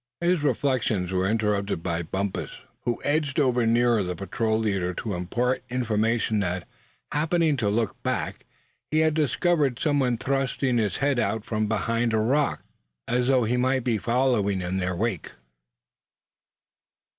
His reflections were interrupted by Bumpus, who edged over nearer the patrol leader to impart the information that, happening to look back, he had discovered some one thrusting his head out from behind a rock, as though he might be following in their wake!